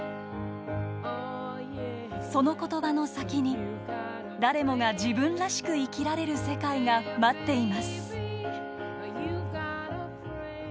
その言葉の先に誰もが自分らしく生きられる世界が待っています。